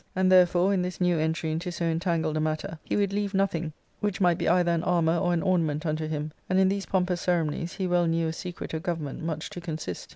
And therefore, in this new entry into so entangled a matter, he would leave nothing which might be either an armour or an ornament unto him ; and in these pompous ceremonies he well knew a secret of govern ment much to consist.